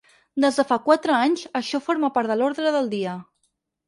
Des de fa quatre anys, això forma part de l’ordre del dia.